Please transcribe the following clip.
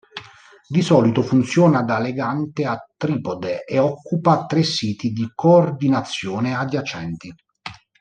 Di solito funziona da legante a tripode e occupa tre siti di coordinazione adiacenti.